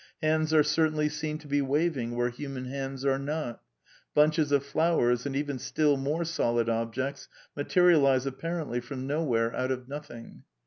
Hands are certainly seen to be waving where human hands are not. Bunches of flowers, and even still more solid objects materialize ap parently from nowhere out of nothing.